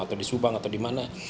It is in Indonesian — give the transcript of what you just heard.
atau di subang atau di mana